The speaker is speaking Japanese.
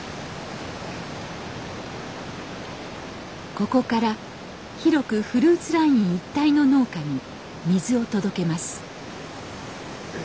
ここから広くフルーツライン一帯の農家に水を届けます。